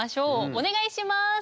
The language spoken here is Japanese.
お願いします！